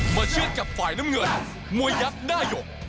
เชื่อดกับฝ่ายน้ำเงินมวยยักษ์ด้ายก